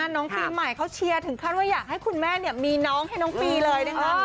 น้องปีใหม่เขาเชียร์ถึงขั้นว่าอยากให้คุณแม่มีน้องให้น้องปีเลยนะคะ